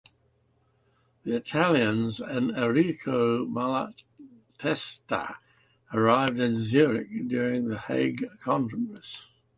The Italians and Errico Malatesta arrived in Zurich during the Hague Congress.